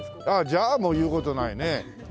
じゃあもう言う事ないね。